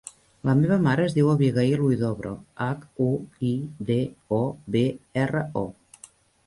La meva mare es diu Abigaïl Huidobro: hac, u, i, de, o, be, erra, o.